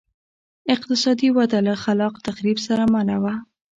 اقتصادي وده له خلاق تخریب سره مله وه